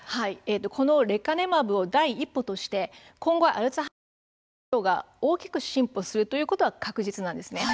このレカネマブを第一歩として今後アルツハイマー病の治療が大きく進歩するということは確実なんです。